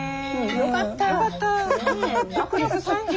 よかった！